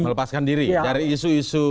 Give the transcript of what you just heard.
melepaskan diri dari isu isu